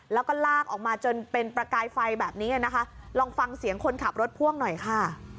แล้วก็ลากออกมาจนเป็นประกายไฟแบบนี้นะคะลองฟังเสียงคนขับรถพ่วงหน่อยค่ะ